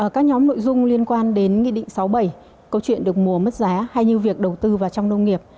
các nhóm nội dung liên quan đến nghị định sáu bảy câu chuyện được mùa mất giá hay như việc đầu tư vào trong nông nghiệp